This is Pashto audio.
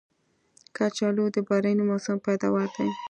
کچالو د باراني موسم پیداوار دی